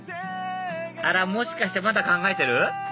あらもしかしてまだ考えてる？